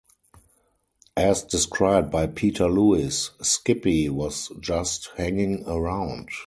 As described by Peter Lewis, Skippy was just hanging around.